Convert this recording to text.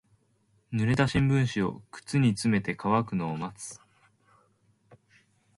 濡れた新聞紙を靴に詰めて乾くのを待つ。